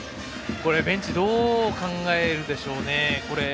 ベンチ、どう考えるでしょうね。